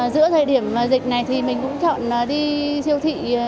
giữa thời điểm dịch này thì mình cũng chọn đi siêu thị